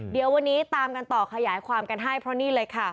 เดี๋ยววันนี้ตามกันต่อขยายความกันให้เพราะนี่เลยค่ะ